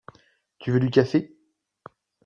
Tu veux du café ?